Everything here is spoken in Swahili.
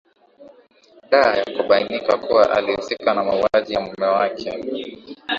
da ya kubainika kuwa alihusika na mauwaji ya mume wake